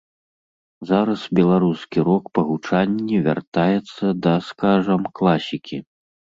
Зараз беларускі рок па гучанні вяртаецца да, скажам, класікі.